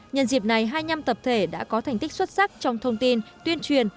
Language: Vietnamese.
nhân dịp này hai mươi năm tập thể đã có thành tích xuất sắc trong thông tin tuyên truyền